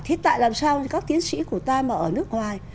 thế tại làm sao như các tiến sĩ của ta mà ở nước ngoài